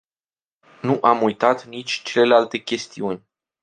Nu am uitat nici celelalte chestiuni.